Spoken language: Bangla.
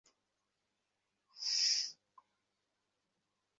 বেরিল, উনাদের টেবিলে চা দিয়ে আয়।